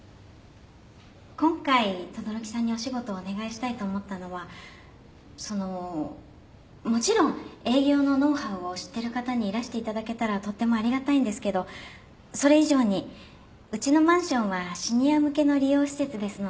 今回轟さんにお仕事をお願いしたいと思ったのはそのもちろん営業のノウハウを知ってる方にいらしていただけたらとってもありがたいんですけどそれ以上にうちのマンションはシニア向けの利用施設ですので。